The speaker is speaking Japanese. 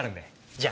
じゃあ。